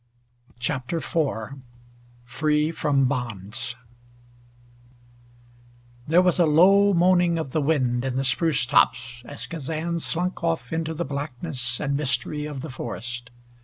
CHAPTER IV FREE FROM BONDS There was a low moaning of the wind in the spruce tops as Kazan slunk off into the blackness and mystery of the forest.